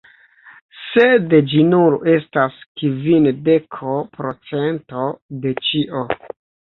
Sed ĝi nur estas kvindeko procento de ĉio